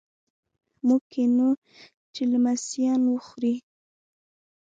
موږ کینوو چې لمسیان وخوري.